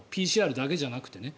ＰＣＲだけじゃなくてね。